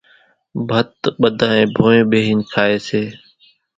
ڀت ٻڌانئين ڀونئين ٻيۿين کائي سي۔